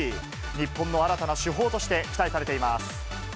日本の新たな主砲として期待されています。